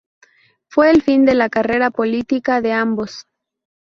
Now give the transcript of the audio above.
Fue el fin de la carrera política de ambos.